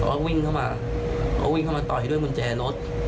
ก็วิ่งเข้ามาเขาวิ่งเข้ามาต่อยด้วยกุญแจรถ